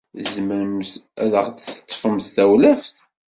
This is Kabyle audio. Tzemremt ad aɣ-teṭṭfemt tawlaft?